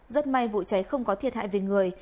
rất may vụ cháy không có thiệt hại về người